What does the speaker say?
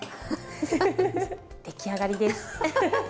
出来上がりです。